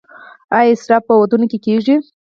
آیا اسراف په ودونو کې کیږي؟